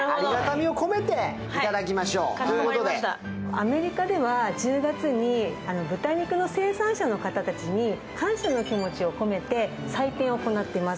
アメリカでは１０月に豚肉の生産者の方たちに感謝の気持ちを込めて祭典を行っています。